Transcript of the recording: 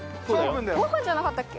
５分じゃなかったっけ？